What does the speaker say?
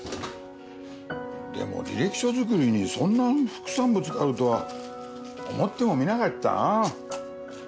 でも履歴書作りにそんな副産物があるとは思ってもみなかったなぁ。